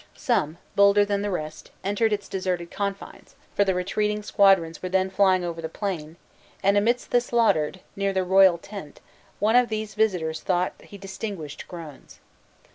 Some, bolder than the rest, entered its deserted confines (for the retreating squadrons were then flying over the plain); and amidst the slaughtered, near the royal tent, one of these visitors thought he distinguished groans.